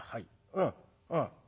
うんうん。